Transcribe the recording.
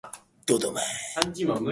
タンザニアの首都はドドマである